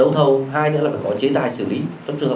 thì trên cơ sở